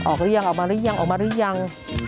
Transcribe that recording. หรือยังออกมาหรือยังออกมาหรือยัง